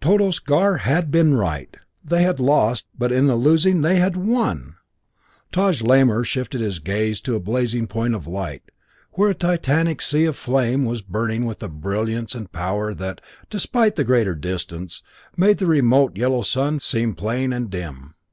Tordos Gar had been right! They had lost but in the losing, they had won! Taj Lamor shifted his gaze to a blazing point of light, where a titanic sea of flame was burning with a brilliance and power that, despite the greater distance, made the remote yellow sun seem pale and dim.